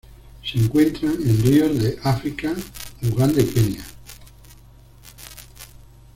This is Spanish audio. Se encuentran en ríos de África: Uganda y Kenia.